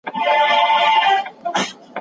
د سياستپوهني پېژندنه کومه اسانه چاره نه ده.